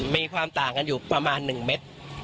มีความต่างกันอยู่ประมาณ๑เมตร